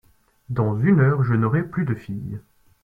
Dans une heure, je n’aurai plus de fille !